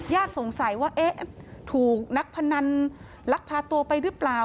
สงสัยว่าเอ๊ะถูกนักพนันลักพาตัวไปหรือเปล่า